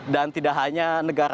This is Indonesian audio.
dan tidak hanya negara